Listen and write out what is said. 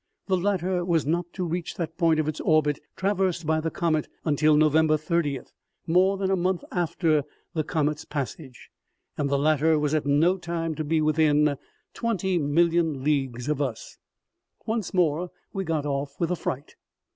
The latter was not to reach that point of its orbit traversed by the comet until November 3oth, more than a month after the comet's passage, and the latter was at no time to be within 20,000,000 leagues of us. Once more we got off with a fright.